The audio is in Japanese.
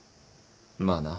まあな。